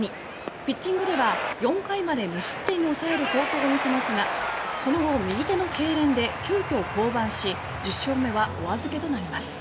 ピッチングでは４回まで無失点に抑える好投を見せますがその後、右手のけいれんで急きょ降板し１０勝目はお預けとなります。